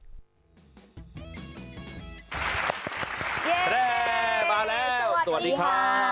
เย้มาแล้วสวัสดีค่ะ